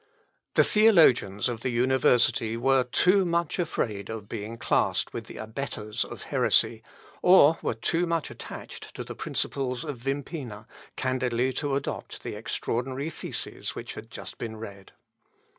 The theologians of the university were too much afraid of being classed with the abettors of heresy, or were too much attached to the principles of Wimpina, candidly to adopt the extraordinary theses which had just been read.